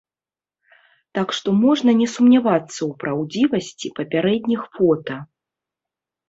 Так што можна не сумнявацца ў праўдзівасці папярэдніх фота.